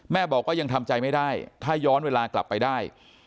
บอกว่ายังทำใจไม่ได้ถ้าย้อนเวลากลับไปได้